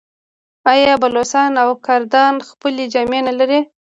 آیا بلوڅان او کردان خپلې جامې نلري؟